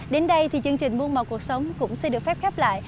đến đây thì chương trình muôn màu cuộc sống cũng xin được phép khép lại